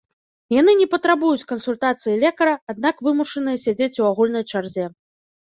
Яны не патрабуюць кансультацыі лекара, аднак вымушаныя сядзець у агульнай чарзе.